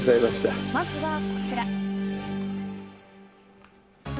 まずはこちら。